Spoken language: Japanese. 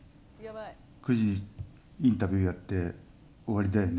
９時にインタビューやって終わりだよね。